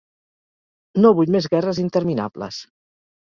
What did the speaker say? No vull més guerres interminables.